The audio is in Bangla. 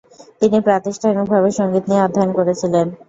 তিনি প্রাতিষ্ঠানিকভাবে সঙ্গীত নিয়ে অধ্যয়ন করেছিলেন।